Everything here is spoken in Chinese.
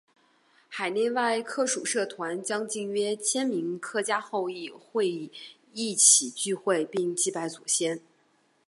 海内外客属社团将近约千名客家后裔会一起聚会并祭拜祖先。